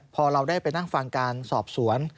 พอเราได้ไปนั่งฟังการสอบสวน